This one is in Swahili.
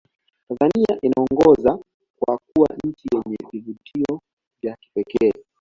tanzania inaongoza kwa kuwa nchi yenye vivutio vya kipekee